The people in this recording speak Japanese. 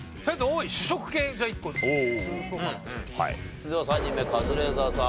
それでは３人目カズレーザーさん